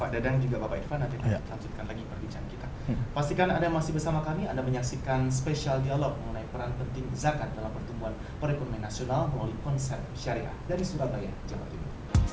dan juga bapak irfan nanti akan lanjutkan lagi perbincangan kita